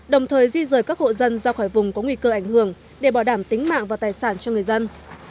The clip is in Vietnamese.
đồng thời di rời các hộ dân ra khỏi vùng có nguy cơ ảnh hưởng để bảo đảm tính mạng và tài sản cho người dân